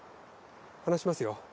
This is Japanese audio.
話しますよ。